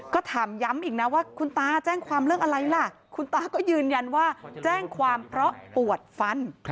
ก็ถามย้ำอีกนะว่าคุณตาแจ้งความเรื่องอะไรล่ะคุณตาก็ยืนยันว่าแจ้งความเพราะปวดฟัน